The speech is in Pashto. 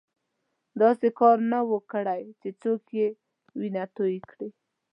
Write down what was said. داسې کار نه وو کړی چې څوک یې وینه توی کړي.